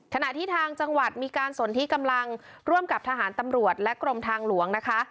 ขณะที่ทางจังหวัดมีการสนที่กำลังร่วมกับทหารตำรวจและกรมทางหลวงนะคะ